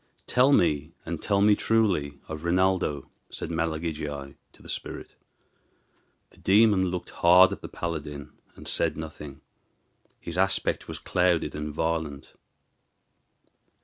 "Tell me, and tell me truly, of Rinaldo," said Malagigi to the spirit. The demon looked hard at the paladin, and said nothing. His aspect was clouded and violent.